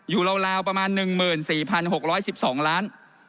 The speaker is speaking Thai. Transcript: ราวประมาณ๑๔๖๑๒ล้าน